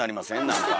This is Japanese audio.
何か。